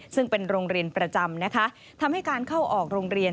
ซึ่งเป็นโรงเรียนประจำนะคะทำให้การเข้าออกโรงเรียน